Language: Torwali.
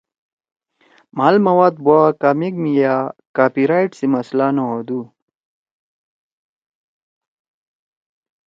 مھال مواد بُوا کامک می یأ کاپی رائیٹ سی مسلہ نہ ہودُو۔